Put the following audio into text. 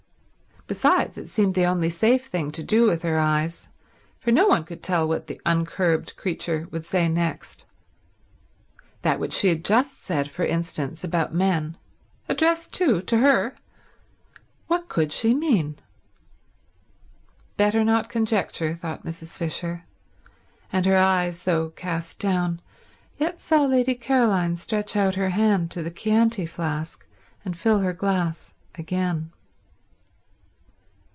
Besides, it seemed the only safe thing to do with her eyes, for no one could tell what the uncurbed creature would say next. That which she had just said, for instance, about men—addressed too, to her—what could she mean? Better not conjecture, thought Mrs. Fisher; and her eyes, though cast down, yet saw Lady Caroline stretch out her hand to the Chianti flask and fill her glass again.